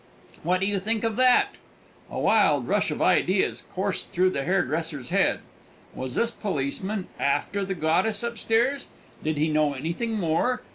What do you think of that?" A wild rush of ideas coursed through the hairdresser's head. Was this policeman "after" the goddess upstairs? Did he know anything more?